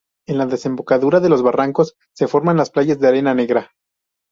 En la desembocadura de los barrancos se forman playas de arena negra.